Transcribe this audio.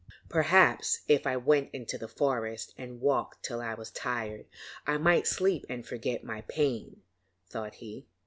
'Perhaps if I went out into the forest and walked till I was tired, I might sleep and forget my pain,' thought he.